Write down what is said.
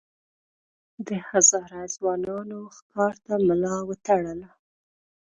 د هزاره ځوانانو ښکار ته ملا وتړله.